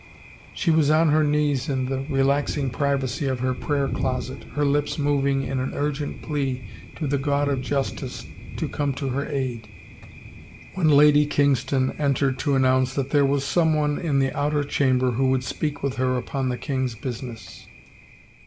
She was on her knees, in the relaxing privacy of her prayer closet, her lips moving in an urgent plea to the God of justice to come to her aid, when Lady Kingston entered to announce that there was someone in the outer chamber who would speak with her upon the king's business.